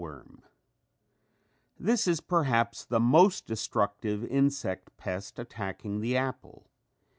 ] This is perhaps the most destructive insect pest attacking the apple.